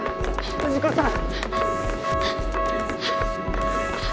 藤子さん！